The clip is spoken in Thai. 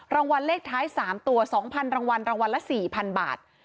รางวัลเลขท้าย๓ตัว๒๐๐รางวัลรางวัลละ๔๐๐๐บาท